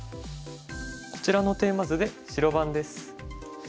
こちらのテーマ図で白番です。